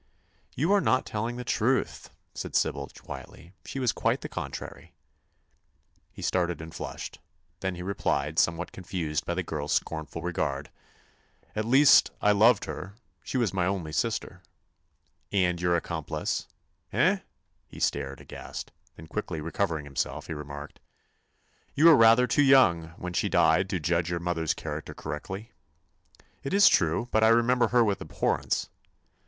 "You are not telling the truth," said Sybil, quietly. "She was quite the contrary." He started and flushed. Then he replied, somewhat confused by the girl's scornful regard: "At least, I loved her. She was my only sister." "And your accomplice." "Eh?" He stared, aghast. Then, quickly recovering himself, he remarked: "You were rather too young, when she died, to judge your mother's character correctly." "It is true; but I remember her with abhorrence."